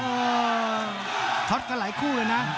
โอ้โหช็อตกันหลายคู่เลยนะ